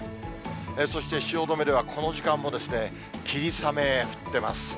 そして、汐留では、この時間も霧雨降ってます。